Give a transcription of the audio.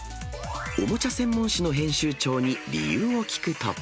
おもちゃ専門誌の編集長に理由を聞くと。